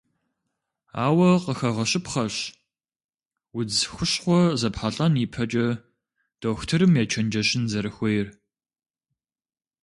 Ауэ къыхэгъэщыпхъэщ, удз хущхъуэ зэпхьэлӏэн ипэкӏэ дохутырым ечэнджэщын зэрыхуейр.